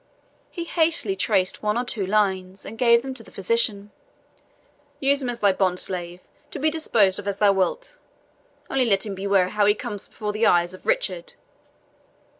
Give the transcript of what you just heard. He hastily traced one or two lines, and gave them to the physician. "Use him as thy bond slave, to be disposed of as thou wilt only, let him beware how he comes before the eyes of Richard.